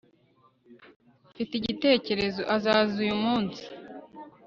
mfite igitekerezo azaza uyu munsi